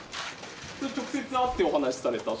直接会ってお話しされたと。